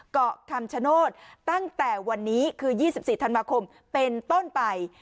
เกาะคำชโนธตั้งแต่วันนี้คือ๒๔ธันวาคมเป็นต้นไป